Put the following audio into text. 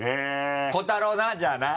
湖太郎なじゃあな。